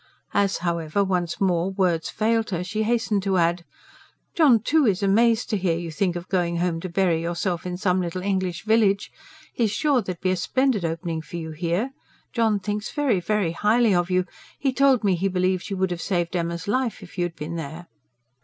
As, however, once more words failed her, she hastened to add: "John, too, is amazed to hear you think of going home to bury yourself in some little English village. He's sure there'd be a splendid opening for you here. John thinks very, very highly of you. He told me he believes you would have saved Emma's life, if you had been there."